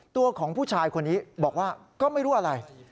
ตัวของผู้ชายคนนี้บอกว่าก็ไม่รู้อะไร